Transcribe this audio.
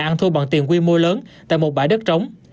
ăn thu bằng tiền quy mô lớn tại một bãi đất trống